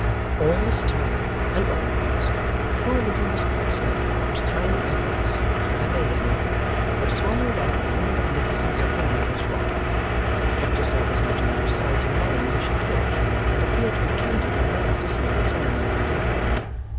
All this time and always, poor little Miss Podsnap, whose tiny efforts (if she had made any) were swallowed up in the magnificence of her mother's rocking, kept herself as much out of sight and mind as she could, and appeared to be counting on many dismal returns of the day.